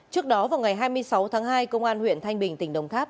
trước đó vào ngày hai mươi sáu tháng hai công an huyện thanh bình tỉnh đồng tháp